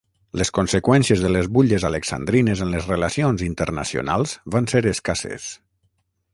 Les conseqüències de les Butlles Alexandrines en les relacions internacionals van ser escasses.